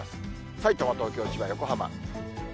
さいたま、東京、千葉、横浜。